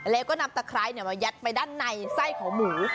แล้วก็นำตะไคร้มายัดไปด้านในไส้ของหมู